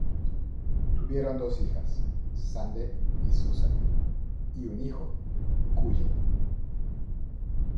Tuvieron dos hijas, Sande y Susan, y un hijo, Cullen.